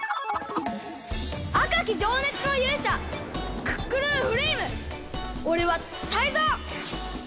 あかきじょうねつのゆうしゃクックルンフレイムおれはタイゾウ！